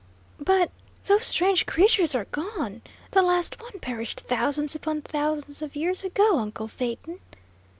"But, those strange creatures are gone; the last one perished thousands upon thousands of years ago, uncle Phaeton."